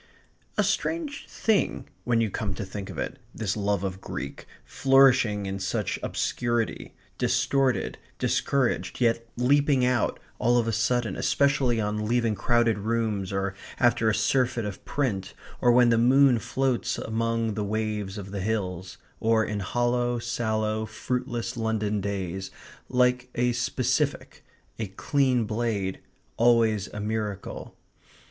A strange thing when you come to think of it this love of Greek, flourishing in such obscurity, distorted, discouraged, yet leaping out, all of a sudden, especially on leaving crowded rooms, or after a surfeit of print, or when the moon floats among the waves of the hills, or in hollow, sallow, fruitless London days, like a specific; a clean blade; always a miracle.